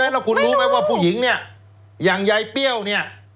แล้วคุณรู้ไหมว่าผู้หญิงเนี่ยอย่างยายเปรี้ยวเนี่ย